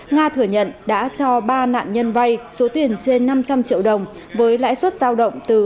nga thừa nhận đã cho ba nạn nhân vay số tiền trên năm trăm linh triệu đồng với lãi suất giao động từ